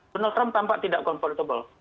donald trump tampak tidak kompable